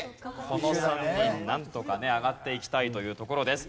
この３人なんとかね上がっていきたいというところです。